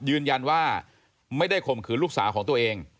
ยืนยันว่าไม่ได้ข่มขืนลูกสาวของตัวเอง